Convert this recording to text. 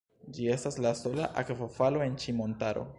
Ĝi estas la sola akvofalo en ĉi montaro.